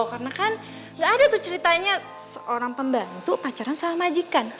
karena kan gak ada tuh ceritanya seorang pembantu pacaran sama majikan